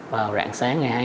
vào rạng sáng ngày hôm nay